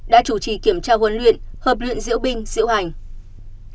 đã chủ trì kiểm tra huấn luyện hợp luyện diệu bình diệu hành